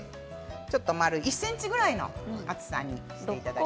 １ｃｍぐらいの厚さにしていただいて。